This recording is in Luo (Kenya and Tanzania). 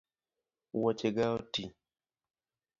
Wuoche ga otii